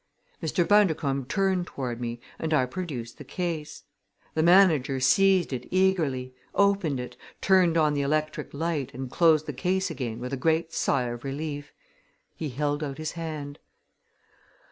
Mr. Bundercombe turned toward me and I produced the case. The manager seized it eagerly, opened it, turned on the electric light and closed the case again with a great sigh of relief. He held out his hand.